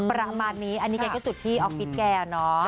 ประมาณนี้อันนี้แกก็จุดที่ออฟฟิศแกเนอะ